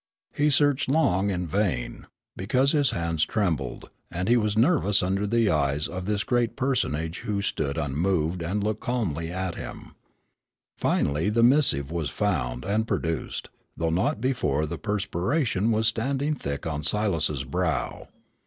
He searched long in vain, because his hands trembled, and he was nervous under the eyes of this great personage who stood unmoved and looked calmly at him. Finally the missive was found and produced, though not before the perspiration was standing thick on Silas's brow.